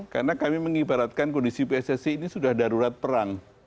karena kami mengibaratkan kondisi pssi ini sudah darurat perang